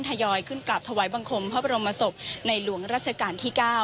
ทยอยขึ้นกราบถวายบังคมพระบรมศพในหลวงราชการที่๙